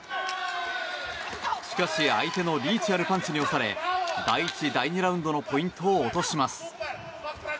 しかし相手のリーチあるパンチに押され第１、第２ラウンドのポイントを落とします。